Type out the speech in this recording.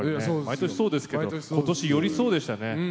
毎年そうですけど今年よりそうでしたね。